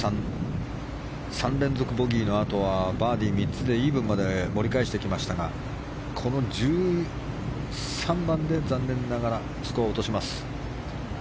３連続ボギーのあとはバーディー３つでイーブンまで盛り返しましたがこの１３番で残念ながらスコアを落とします。